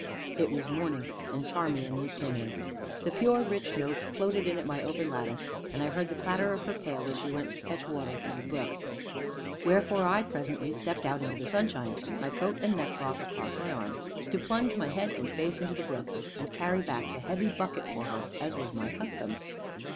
It was morning, and Charmian was singing. The pure, rich notes floated in at my open lattice, and I heard the clatter of her pail as she went to fetch water from the brook. Wherefore I presently stepped out into the sunshine, my coat and neckcloth across my arm, to plunge my head and face into the brook, and carry back the heavy bucket for her, as was my custom.